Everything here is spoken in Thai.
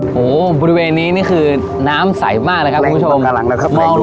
โหบริเวณนี้นี่คือน้ำใสมากนะครับคุณผู้ชมแรงปากกาลังนะครับแรงดูปากกาลัง